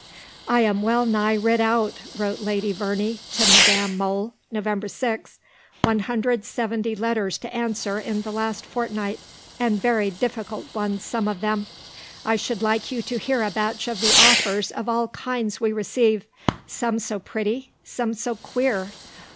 "I am well nigh writ out," wrote Lady Verney to Madame Mohl (Nov. 6), "170 letters to answer in the last fortnight, and very difficult ones, some of them. I should like you to hear a batch of the offers of all kinds we receive, some so pretty, some so queer.